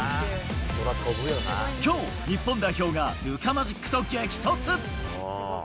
きょう、日本代表がルカマジックと激突。